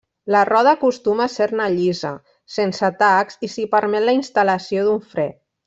La roda acostuma a ser-ne llisa, sense tacs, i s'hi permet la instal·lació d'un fre.